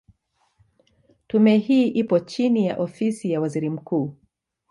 Tume hii ipo chini ya Ofisi ya Waziri Mkuu.